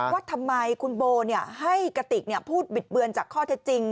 ว่าทำไมคุณโบให้กติกพูดบิดเบือนจากข้อเท็จจริง